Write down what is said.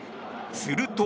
すると。